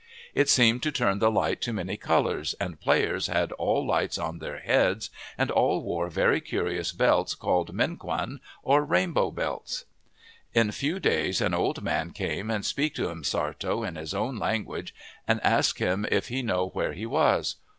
It seemed to turn the light to many colors and players all had lights on their heads and all wore very curious belts called Menquan, or Rainbow belts. " In few days an old man came and speak to M'Sartto in his own language and ask him if he know where he was.